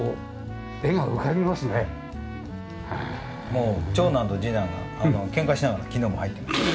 もう長男と次男がケンカしながら昨日も入ってました。